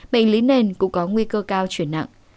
bệnh lý nền cũng có nguy cơ cao chuyển nặng